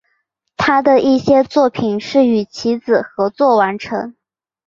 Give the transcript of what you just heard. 他的一些作品是与其子合作完成。